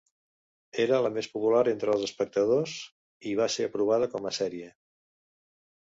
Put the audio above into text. Era la més popular entre els espectadors, i va ser aprovada com a sèrie.